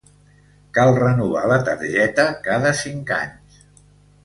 Cal renovar la targeta cada cinc anys.